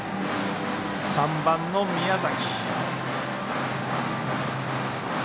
３番の宮崎。